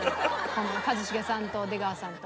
この一茂さんと出川さんと。